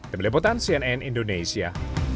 demi liputan cnn indonesia